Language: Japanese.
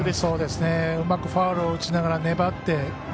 うまくファウルを打ちながら粘って。